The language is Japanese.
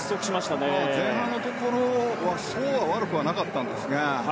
前半のところはそう悪くなかったんですが。